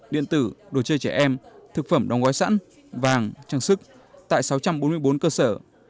điện tử đồ chơi trẻ em thực phẩm đóng gói sẵn vàng trang sức tại sáu trăm bốn mươi bốn cơ sở